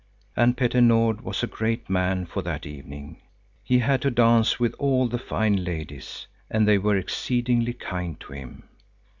And Petter Nord was a great man for that evening. He had to dance with all the fine ladies, and they were exceedingly kind to him.